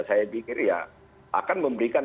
saya pikir ya akan memberikan